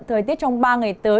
thời tiết trong ba ngày tới